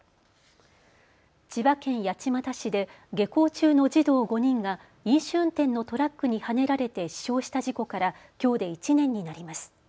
千葉県八街市で下校中の児童５人が飲酒運転のトラックにはねられて死傷した事故からきょうで１年になります。